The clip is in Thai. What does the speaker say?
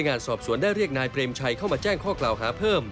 งานสอบสวนได้เรียกนายเปรมชัยเข้ามาแจ้งข้อกล่าวหาเพิ่ม